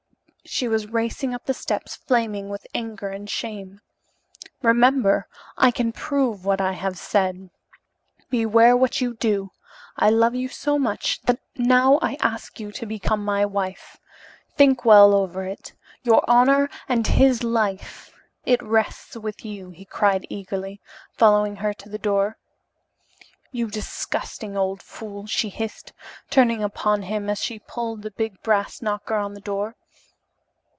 She was racing up the steps, flaming with anger and shame. "Remember, I can prove what I have said. Beware what you do. I love you so much that I now ask you to become my wife. Think well over it. Your honor and his life! It rests with you," he cried eagerly, following her to the door. "You disgusting old fool," she hissed, turning upon him as she pulled the big brass knocker on the door.